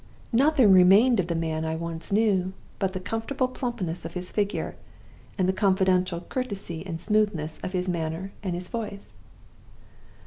Nothing remained of the man I once knew but the comfortable plumpness of his figure, and the confidential courtesy and smoothness of his manner and his voice.